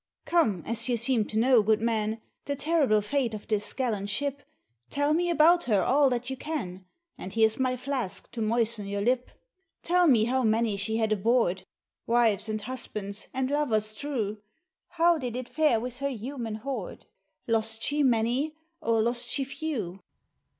"Come, as you seem to know, good man, The terrible fate of this gallant ship, Tell me about her all that you can; And here's my flask to moisten your lip. Tell me how many she had aboard, Wives, and husbands, and lovers true, How did it fare with her human hoard? Lost she many, or lost she few?"